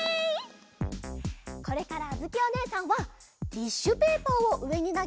これからあづきおねえさんはティッシュペーパーをうえになげてキャッチします。